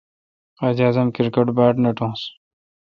قائد اعظم کرکٹ باڑ نکوس۔